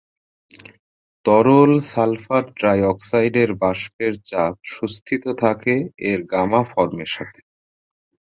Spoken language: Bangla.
তরল সালফার ট্রাই অক্সাইডের বাষ্পের চাপ সুস্থিত থাকে এর গামা ফর্মের সাথে।